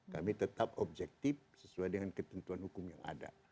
kami tetap objektif sesuai dengan ketentuan hukum yang ada